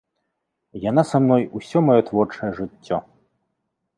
Яна са мной усё маё творчае жыццё.